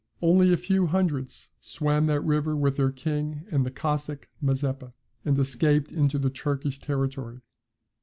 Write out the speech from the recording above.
Only a few hundreds swam that river with their king and the Cossack Mazeppa, and escaped into the Turkish territory.